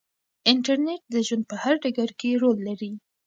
انټرنیټ د ژوند په هر ډګر کې رول لري.